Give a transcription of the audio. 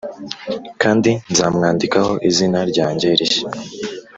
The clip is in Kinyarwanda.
kandi nzamwandikaho izina ryanjye rishya.